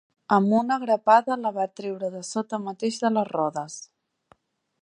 Amb una grapada la va treure de sota mateix de les rodes.